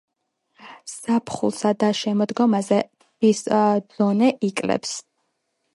ზაფხულსა და შემოდგომაზე ტბის დონე იკლებს.